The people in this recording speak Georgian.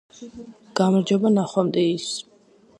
გამარჯობა ნახვამდის